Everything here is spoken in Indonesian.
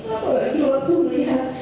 apalagi waktu melihat